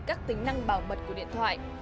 các tính năng bảo mật của điện thoại